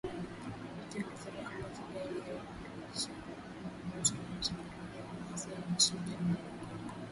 Ikiongezea kwamba “Kigali haijihusishi kwa namna yoyote na mashambulizi ya waasi hao nchini Jamhuri ya kidemokrasia ya Kongo."